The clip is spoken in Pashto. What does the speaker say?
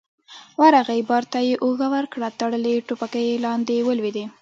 ورغی، بار ته يې اوږه ورکړه، تړلې ټوپکې لاندې ولوېدې.